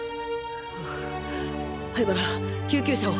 灰原救急車を！